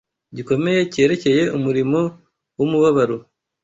gikomeye cyerekeye umurimo w’umubabaro.